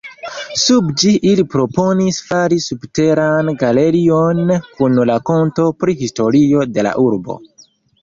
Sub ĝi ili proponis fari subteran galerion kun rakonto pri historio de la urbo.